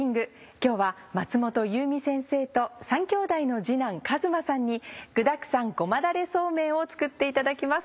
今日は松本有美先生と３兄弟の次男和馬さんに「具だくさんごまだれそうめん」を作っていただきます。